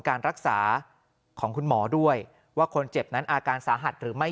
การรักษาของคุณหมอด้วยว่าคนเจ็บนั้นอาการสาหัสหรือไม่